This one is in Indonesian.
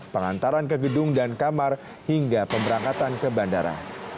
pengantaran ke gedung dan kamar hingga pemberangkatan ke bandara